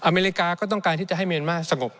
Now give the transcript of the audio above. อเมริกาก็ต้องการที่จะให้เมียนมาสงบ